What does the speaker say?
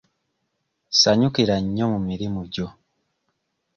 Sanyukira nnyo mu mirimu gyo.